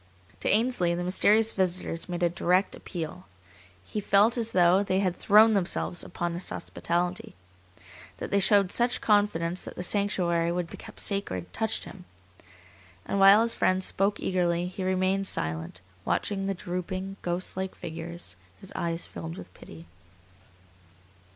To Ainsley the mysterious visitors made a direct appeal. He felt as though they had thrown themselves upon his hospitality. That they showed such confidence that the sanctuary would be kept sacred touched him. And while his friends spoke eagerly, he remained silent, watching the drooping, ghost like figures, his eyes filled with pity.